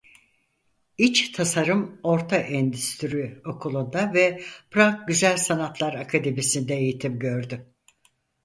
İç Tasarım Orta Endüstri Okulu'nda ve Prag Güzel Sanatlar Akademisi'nde eğitim gördü.